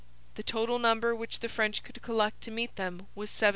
The total number which the French could collect to meet them was 17,000.